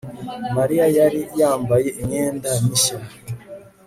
Mariya yari yambaye imyenda mishya